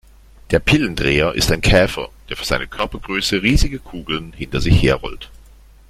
Der Pillendreher ist ein Käfer, der für seine Körpergröße riesige Kugeln hinter sich her rollt.